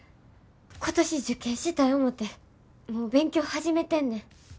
今年受験したい思てもう勉強始めてんねん。